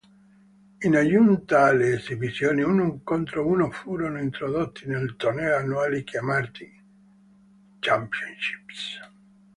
In aggiunta alle esibizioni uno contro uno furono introdotti dei tornei annuali chiamati "Championships".